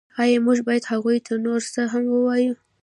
ایا موږ باید هغوی ته نور څه هم ووایو